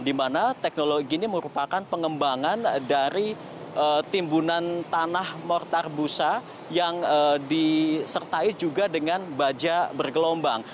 di mana teknologi ini merupakan pengembangan dari timbunan tanah mortar busa yang disertai juga dengan baja bergelombang